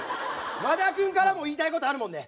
和田君からも言いたいことあるもんね？